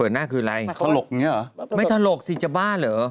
หน้าคืออะไรถลกอย่างนี้เหรอไม่ถลกสิจะบ้าเหรอ